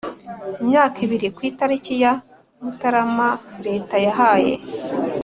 imyaka ibiri ku itariki ya Mutarama leta yahaye